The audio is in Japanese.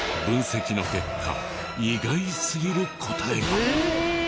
分析の結果意外すぎる答えが！